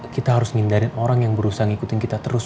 kita harus ngindarin orang yang berusaha ngikutin kita terus